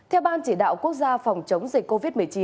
theo ban chỉ đạo quốc gia phòng chống dịch covid một mươi chín